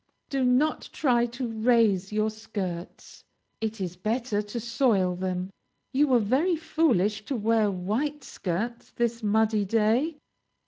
Do not try to raise your skirts. It is better to soil them. (You were very foolish to wear white skirts this muddy day.)